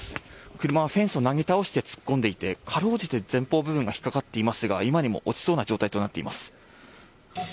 車はフェンスをなぎ倒して突っ込んでいてかろうじて前方部分が引っ掛かっていますが今にも落ちそうな状態となっています。